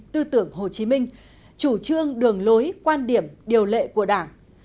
tư tưởng hồ chí minh chủ trương đường lối quan điểm điều lệ của đảng